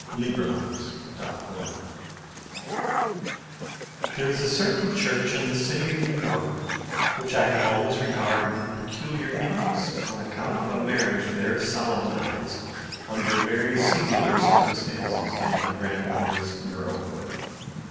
THE WEDDING KNELL There is a certain church, in the city of New York which I have always regarded with peculiar interest on account of a marriage there solemnized under very singular circumstances in my grandmother's girlhood.